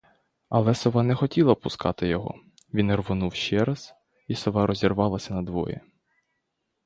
Але сова не хотіла пускати його, він рвонув ще раз і сова розірвалася надвоє.